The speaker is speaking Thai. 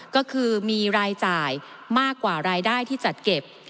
ก็คือมีรายจ่ายมากกว่ารายได้ที่จัดเก็บ